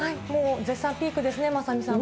絶賛ピークですね、雅美さん